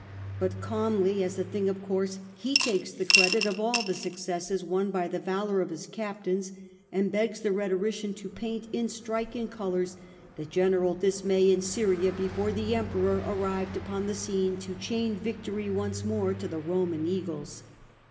But calmly, as a thing of course, he takes the credit of all the successes won by the valour of his captains, and begs the rhe torician to paint in striking colours the general dismay in Syria before the Emperor arrived upon the scene to chain victory once more to the Roman eagles.